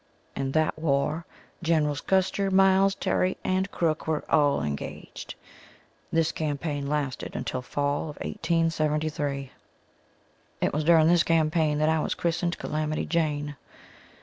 In that war Generals Custer, Miles, Terry and Crook were all engaged. This campaign lasted until fall of 1873. It was during this campaign that I was christened Calamity Jane.